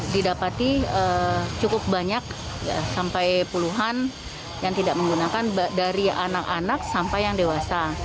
didapati cukup banyak sampai puluhan yang tidak menggunakan dari anak anak sampai yang dewasa